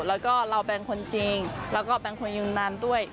แล้วก็เราเป็นคนจริงแล้วก็เป็นคนยืนนานด้วย